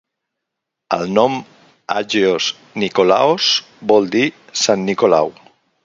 El nom Agios Nikolaos vol dir "Sant Nicolau"